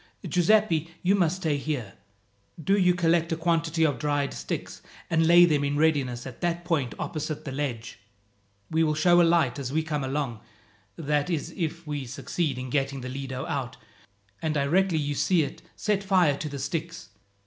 "Giuseppi, you must stay here. Do you collect a quantity of dried sticks, and lay them in readiness at that point opposite the ledge. We will show a light as we come along, that is if we succeed in getting the Lido out, and directly you see it set fire to the sticks.